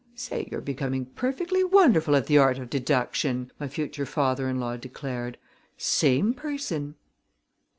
"Say, you're becoming perfectly wonderful at the art of deduction!" my future father in law declared. "Same person!"